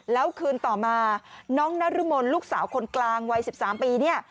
แล้วคืนต่อมาน้องนรมนลูกสาวคนกลางวัย๑๓ปีเนี่ย